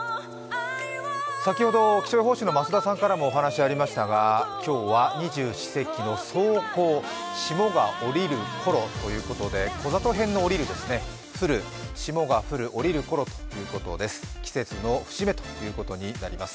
先ほど気象予報士の増田さんからもお話ありましたが、今日は二十四節気の霜降霜が降りるころということでこざとへんの降りるですね、霜が降る、降りるころということで季節の節目ということになります。